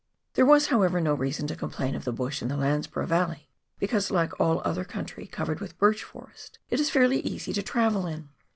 There was, however, no reason to complain of the bush in the Landsborough Yalley, because, like all other country covered with birch forest, it is fairly easy to travel in.